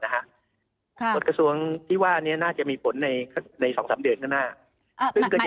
กฎกระทรวงที่ว่านี้น่าจะมีผลใน๒๓เดือนข้างหน้า